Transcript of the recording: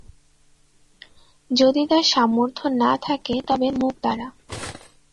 যদি তার সামর্থ্য না থাকে তবে মুখ দ্বারা।